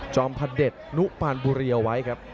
จอมพาเดชนุพาลบูเรียวไว้ครับ